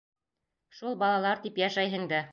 Шул балалар тип йәшәйһең дә...